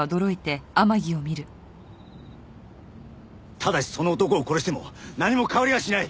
ただしその男を殺しても何も変わりはしない。